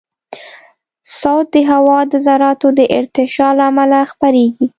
صوت د هوا د ذراتو د ارتعاش له امله خپرېږي.